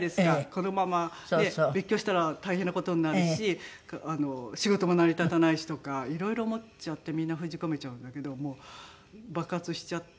このまま別居したら大変な事になるし仕事も成り立たないしとかいろいろ思っちゃってみんな封じ込めちゃうんだけどもう爆発しちゃって。